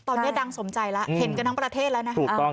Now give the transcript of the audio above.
ตอนนี้ดังสมใจแล้วเห็นกันทั้งประเทศแล้วนะคะ